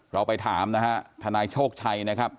เราไปถามนะฮะทนายโชคชัยนะครับ